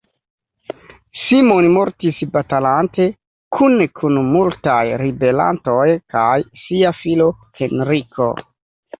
Simon mortis batalante, kune kun multaj ribelantoj kaj sia filo Henriko.